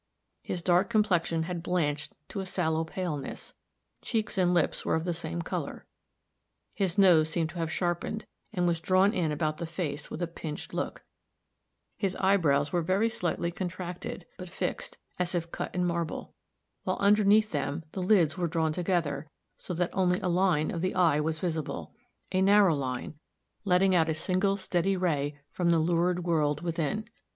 His dark complexion had blanched to a sallow paleness; cheeks and lips were of the same color; his nose seemed to have sharpened, and was drawn in about the face with a pinched look; his eyebrows were very slightly contracted, but fixed, as if cut in marble, while underneath them the lids were drawn together, so that only a line of the eye was visible a narrow line, letting out a single steady ray from the lurid world within.